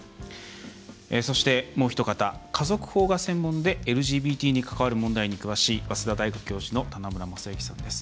そして、もうひと方家族法が専門でＬＧＢＴに関わる問題に詳しい早稲田大学教授の棚村政行さんです。